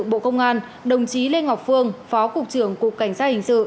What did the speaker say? bộ công an đồng chí lê ngọc phương phó cục trưởng cục cảnh sát hình sự